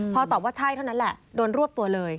พอตอบว่าใช่เท่านั้นแหละโดนรวบตัวเลย